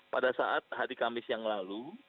pada saat hari kamis yang lalu